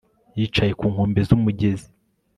Yicaye ku nkombe zumugezi